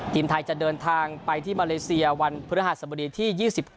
ทีมไทยจะเดินทางไปที่มาเลเซียวันพฤหัสบดีที่๒๙